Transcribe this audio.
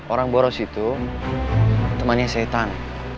orang boros itu temannya setan